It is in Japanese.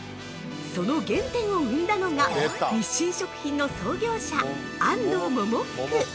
その原点を生んだのが日清食品の創業者・安藤百福。